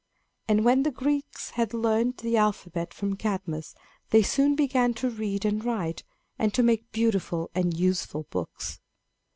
And when the Greeks had learned the alphabet from Cadmus, they soon began to read and write, and to make beautiful and useful books.